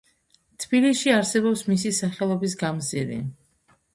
თბილისში არსებობს მისი სახელობის გამზირი.